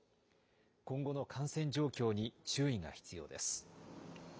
今後の感染状況に注意が必要です。